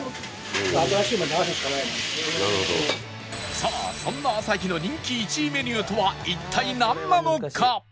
さあそんなあさひの人気１位メニューとは一体なんなのか？